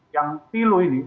yang pilu ini